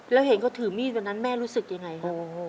แล้วเห็นเขาถือมีดวันนั้นแม่รู้สึกยังไงครับ